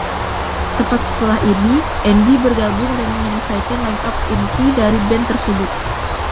Tepat setelah ini, Andy bergabung dan menyelesaikan lineup inti dari band tersebut.